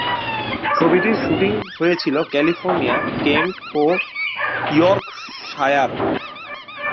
ছবিটির শ্যুটিং হয়েছিল California, Kent ও ইয়র্কশায়ার।